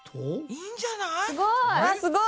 いいんじゃない？